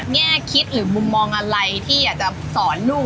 แง่คิดหรือมุมมองอะไรที่อยากจะสอนลูก